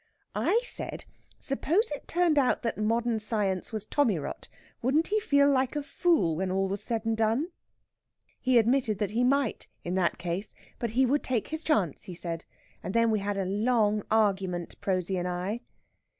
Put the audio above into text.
"I said, suppose it turned out that modern science was tommy rot, wouldn't he feel like a fool when all was said and done? He admitted that he might, in that case. But he would take his chance, he said. And then we had a long argument, Prosy and I."